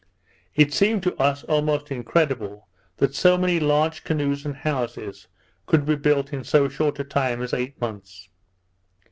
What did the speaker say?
It seemed to us almost incredible, that so many large canoes and houses could be built in so short a space as eight months.